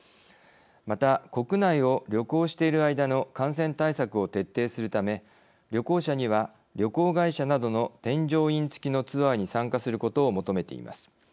また、国内を旅行している間の感染対策を徹底するため旅行者には、旅行会社などの添乗員つきのツアーに参加することを求めています。